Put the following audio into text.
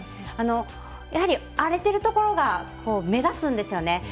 やはり、荒れてるところが目立つんですよね。